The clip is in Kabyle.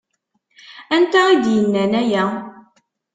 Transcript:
Anta i d-yennan aya?